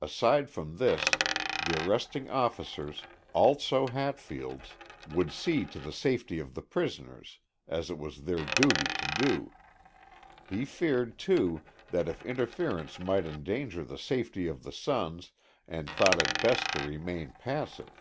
Aside from this, the arresting officers, also Hatfields, would see to the safety of the prisoners, as it was their duty to do. He feared, too, that interference might endanger the safety of the sons and thought it best to remain passive.